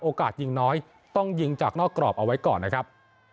ยิงน้อยต้องยิงจากนอกกรอบเอาไว้ก่อนนะครับ